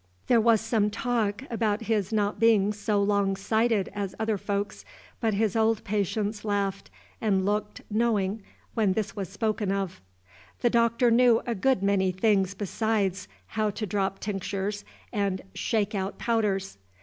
There was some talk about his not being so long sighted as other folks, but his old patients laughed and looked knowing when this was spoken of. The Doctor knew a good many things besides how to drop tinctures and shake out powders.